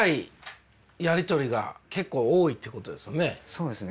そうですね